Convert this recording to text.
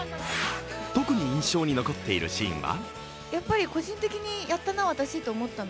特に印象に残っているシーンは？